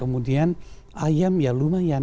kemudian ayam ya lumayan